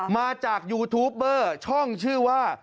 มาดูยูทูปเบอร์ช่องชื่อว่า